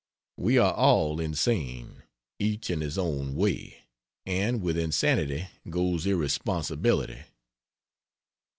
We are all insane, each in his own way, and with insanity goes irresponsibility.